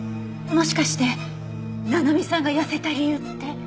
もしかして七海さんが痩せた理由って。